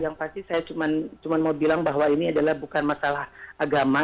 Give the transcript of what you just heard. yang pasti saya cuma mau bilang bahwa ini adalah bukan masalah agama